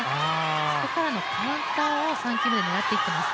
そこからのカウンターを３球目で狙ってきています。